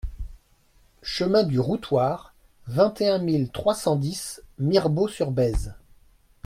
Chemin du Routoir, vingt et un mille trois cent dix Mirebeau-sur-Bèze